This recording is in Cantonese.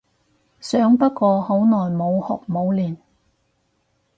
想不過好耐冇學冇練